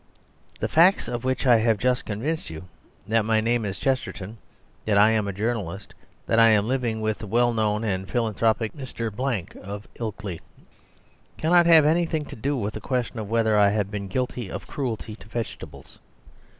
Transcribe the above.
The facts of which I have just convinced you, that my name is Chesterton, that I am a journalist, that I am living with the well known and philanthropic Mr. Blank of Ilkley, cannot have anything to do with the question of whether I have been guilty of cruelty to vegetables.